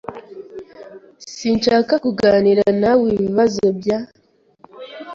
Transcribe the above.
Sinshaka kuganira nawe ibibazo bya .